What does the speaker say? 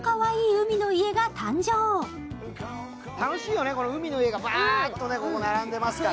楽しいよね、海の家がバーッとここ並んでいますから。